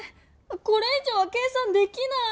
これい上は計算できない！